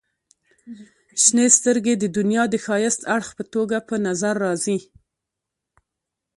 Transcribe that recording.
• شنې سترګې د دنیا د ښایسته اړخ په توګه په نظر راځي.